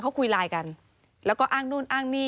เขาคุยไลน์กันแล้วก็อ้างนู่นอ้างนี่